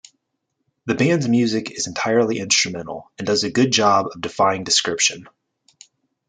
The band's music is entirely instrumental and "does a good job of defying description".